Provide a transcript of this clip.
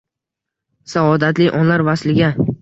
Saodatli onlar vasliga